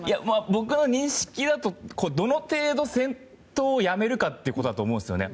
僕の認識だとどの程度、戦闘をやめるかってことだと思うんですよね。